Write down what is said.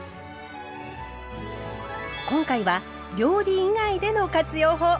今回は料理以外での活用法。